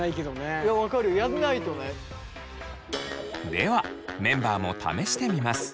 ではメンバーも試してみます。